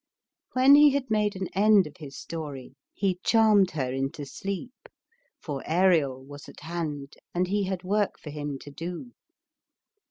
When he had made an end of his story he charmed her into sleep, for Ariel was at hand, and he had work for him to do.